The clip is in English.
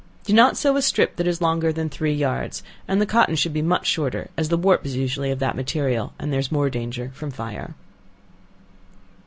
Do not sew a strip that is longer than three yards, and the cotton should be much shorter, as the warp is usually of that material, there is more danger from fire.